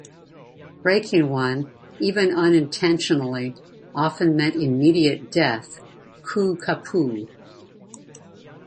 Breaking one, even unintentionally, often meant immediate death, "Koo kapu".